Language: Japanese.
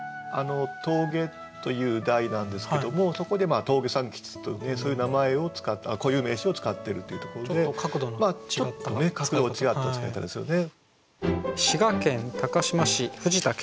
「峠」という題なんですけどもそこで峠三吉というねそういう名前を固有名詞を使ってるというところでちょっと角度が違った使い方ですよね。